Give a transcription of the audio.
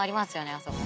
あそこに。